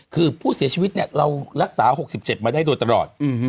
คือผู้เสียชีวิตเรารักษา๖๗มาได้โดยตลอด